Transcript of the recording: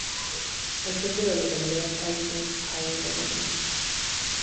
Al sur de la localidad hay un aeródromo.